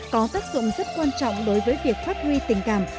có tác dụng rất quan trọng đối với việc phát huy tình cảm